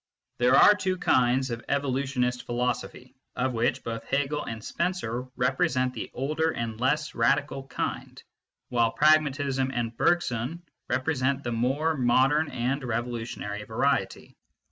There are two kinds of evolutionist philosophy, of which both Hegel and Spencer represent the older and less radical kind, while Pragmatism and Bergson represent the more modern and revolutionary variety.